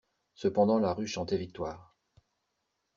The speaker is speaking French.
Cependant la rue chantait victoire.